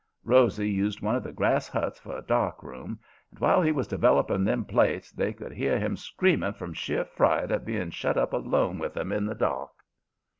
Rosy used one of the grass huts for a dark room; and while he was developing them plates, they could hear him screaming from sheer fright at being shut up alone with 'em in the dark.